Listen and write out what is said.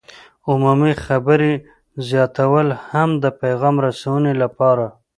عمومي خبرې زیاتول هم د پیغام رسونې لپاره